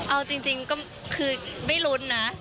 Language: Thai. เอาจริงก็คือไม่ลุ้นนะ